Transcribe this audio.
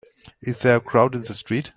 Is there a crowd in the street?